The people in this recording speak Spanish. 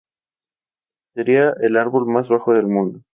Sería el árbol más bajo del mundo.